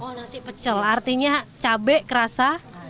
oh nasi pecel artinya cabai kerasa